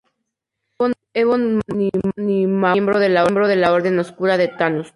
Ebony Maw era miembro de la Orden Oscura de Thanos.